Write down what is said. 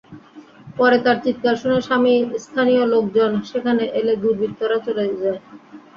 পরে তাঁর চিৎকার শুনে স্থানীয় লোকজন সেখানে এলে দুর্বৃত্তরা চলে যায়।